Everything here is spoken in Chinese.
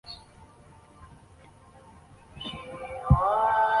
香港殖民地一直是英国在亚太区战略的重要据点。